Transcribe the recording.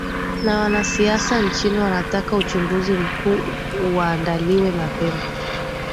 na wanasiasa nchini wanataka uchaguzi mkuu uandaliwe mapema